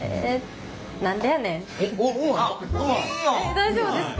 大丈夫ですか？